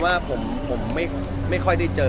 อ๋อน้องมีหลายคน